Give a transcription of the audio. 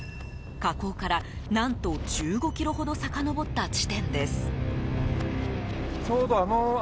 河口から、何と１５ｋｍほどさかのぼった地点です。